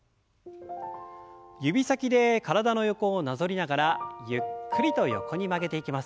指先で体の横をなぞりながらゆっくりと横に曲げていきます。